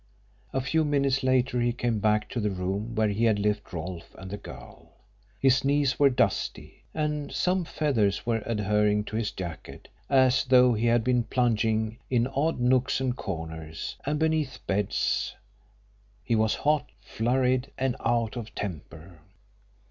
A few minutes later he came back to the room where he had left Rolfe and the girl. His knees were dusty, and some feathers were adhering to his jacket, as though he had been plunging in odd nooks and corners, and beneath beds. He was hot, flurried, and out of temper.